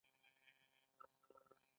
حتی ویلای شو چې داسې حالت ډېر بد دی.